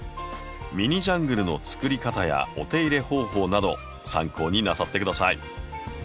ミニジャングルのつくり方やお手入れ方法など参考になさって下さい。